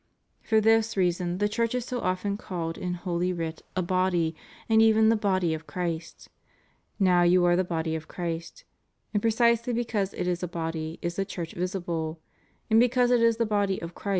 For this reason the Church is so often called in holy writ a body, and even the body of Christ — Now you are the body of Christ '— and precisely because it is a body is the Church visible : and because it is the body of Christ » Rom.